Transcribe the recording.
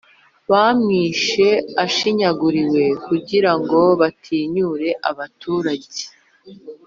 Bamwishe ashinyaguriwe kugira ngo batinyure abaturage